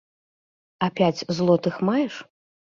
А пяць злотых маеш?